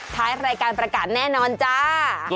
ท้ายรายการประกาศแน่นอนจ้า